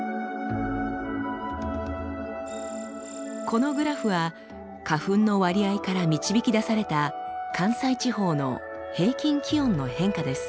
このグラフは花粉の割合から導き出された関西地方の平均気温の変化です。